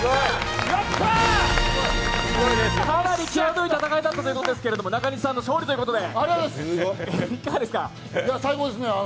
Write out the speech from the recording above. かなりきわどい戦いだったということですが中西さんの勝利ということで。